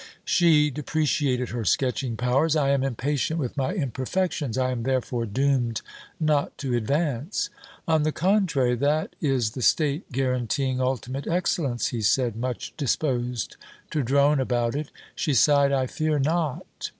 She depreciated her sketching powers. 'I am impatient with my imperfections. I am therefore doomed not to advance.' 'On the contrary, that is the state guaranteeing ultimate excellence,' he said, much disposed to drone about it. She sighed: 'I fear not.'